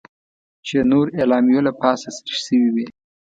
چې د نورو اعلامیو له پاسه سریښ شوې وې.